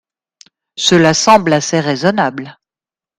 Cela semble assez raisonnable.